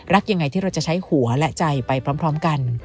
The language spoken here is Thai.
ยังไงที่เราจะใช้หัวและใจไปพร้อมกัน